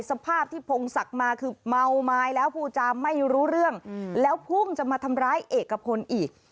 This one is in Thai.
สภาพที่พงศักดิ์มาคือเมาไม้แล้วผู้จาไม่รู้เรื่องแล้วพุ่งจะมาทำร้ายเอกพลอีก